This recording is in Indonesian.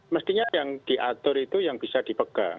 mestinya yang diatur itu yang bisa dipegang